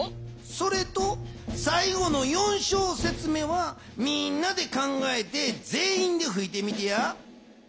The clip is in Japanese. それと最後の４しょうせつ目はみんなで考えてぜんいんでふいてみてや。